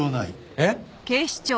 えっ？